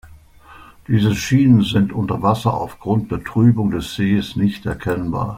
Diese Schienen sind unter Wasser aufgrund der Trübung des Sees nicht erkennbar.